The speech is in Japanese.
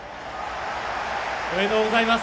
おめでとうございます。